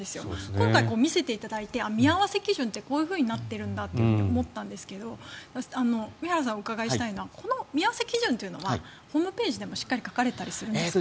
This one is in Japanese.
今回見せていただいて見合わせ基準ってこうなっているんだと思ったんですが梅原さんにお伺いしたいのはこの見合わせ基準というのはホームページでもしっかり書かれたりするんでしょうか。